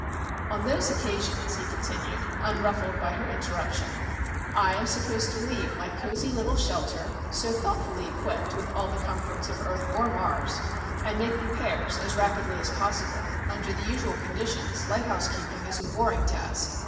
"On those occasions," he continued, unruffled by her interruption, "I am supposed to leave my cosy little shelter, so thoughtfully equipped with all the comforts of Earth or Mars, and make repairs as rapidly as possible. Under the usual conditions, lighthousekeeping is a boring task.